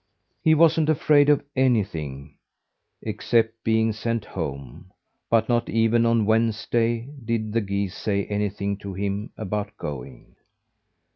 He wasn't afraid of anything except being sent home; but not even on Wednesday did the geese say anything to him about going.